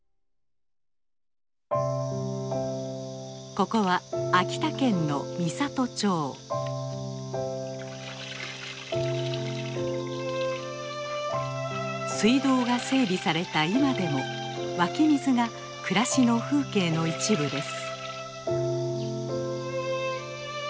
ここは水道が整備された今でも湧き水が暮らしの風景の一部です。